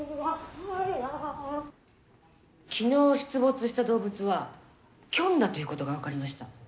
昨日出没した動物はキョンだということが分かりました。